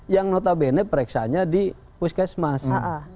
yang notabene pereksanya di puskesmas